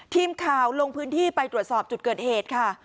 ทีมข่าวลงพื้นที่ไปตรวจสอบจุดเกิดเหตุค่ะ